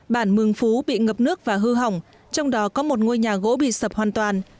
bản mường phú bị ngập nước và hư hỏng trong đó có một ngôi nhà gỗ bị sập hoàn toàn